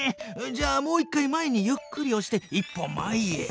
じゃあもう一回前にゆっくりおして一歩前へ。